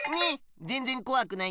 ぜんぜんこわくないでしょ！